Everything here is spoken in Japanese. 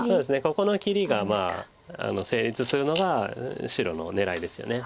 ここの切りが成立するのが白の狙いですよね。